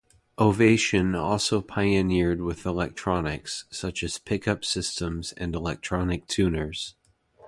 Ovation also pioneered with electronics, such as pickup systems and electronic tuners.